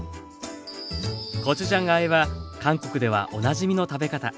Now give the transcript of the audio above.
コチュジャンあえは韓国ではおなじみの食べ方。